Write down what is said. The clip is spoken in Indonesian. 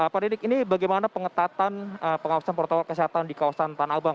pak didik ini bagaimana pengetatan pengawasan protokol kesehatan di kawasan tanah abang